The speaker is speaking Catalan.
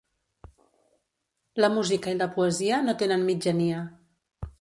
La música i la poesia no tenen mitjania.